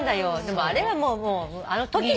あれはもうあのときの。